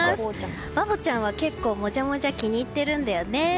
バボちゃんは結構、もじゃもじゃ気に入っているんだよね。